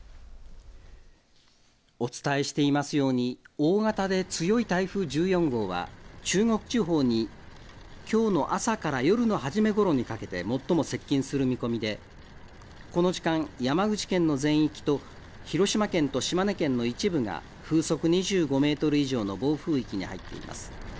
お伝えしていますように大型で強い台風１４号は中国地方にきょうの朝から夜の初めごろにかけて最も接近する見込みでこの時間、山口県の全域と広島県と島根県の一部が風速２５メートル以上の暴風域に入っています。